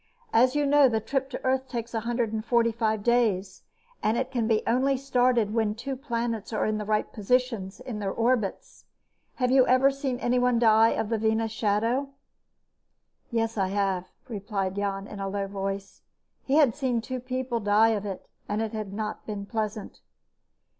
"As you know, the trip to Earth takes 145 days and it can be started only when the two planets are at the right position in their orbits. Have you ever seen anyone die of the Venus Shadow?" "Yes, I have," replied Jan in a low voice. He had seen two people die of it, and it had not been pleasant.